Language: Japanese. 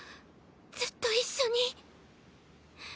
ずっと一緒に。